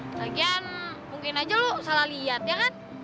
lagian mungkin aja lu salah liat ya kan